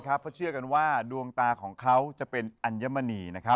เพราะเชื่อกันว่าดวงตาของเขาจะเป็นอัญมณี